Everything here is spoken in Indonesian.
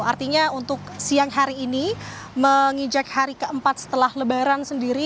artinya untuk siang hari ini menginjak hari keempat setelah lebaran sendiri